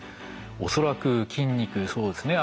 恐らく筋肉そうですね。